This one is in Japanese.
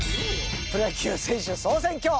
プロ野球選手総選挙